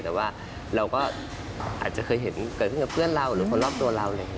แต่ว่าเราก็อาจจะเคยเห็นเกิดขึ้นกับเพื่อนเราหรือคนรอบตัวเราอะไรอย่างนี้